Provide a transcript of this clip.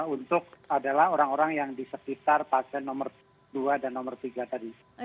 untuk adalah orang orang yang di sekitar pasien nomor dua dan nomor tiga tadi